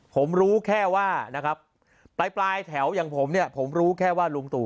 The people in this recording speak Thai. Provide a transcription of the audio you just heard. ผมรู้แค่ว่านะครับปลายแถวอย่างผมเนี่ยผมรู้แค่ว่าลุงตู่